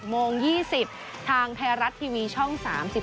โมง๒๐ทางไทยรัฐทีวีช่อง๓๒